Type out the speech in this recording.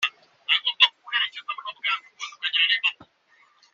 anecdote hamwe nijisho ryijisho no guhungabana ibitaro na gereza nintambara